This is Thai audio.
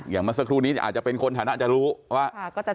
เมื่อสักครู่นี้อาจจะเป็นคนฐานะจะรู้ว่า